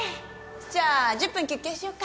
じゃあ１０分休憩しよっか。